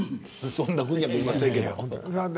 そんなふうは見えませんけど。